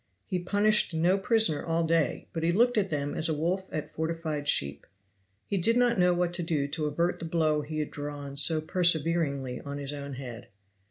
He punished no prisoner all day, but he looked at them as a wolf at fortified sheep. He did not know what to do to avert the blow he had drawn so perseveringly on his own head.